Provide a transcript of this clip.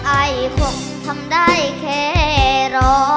ไอคงทำได้แค่รอ